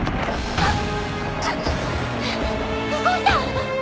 あっ。